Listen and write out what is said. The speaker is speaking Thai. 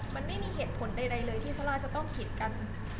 มันไม่มีเหตุผลใดเลยที่ซาร่าจะต้องคิดกัน